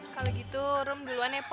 kalau gitu rum duluan ya mpo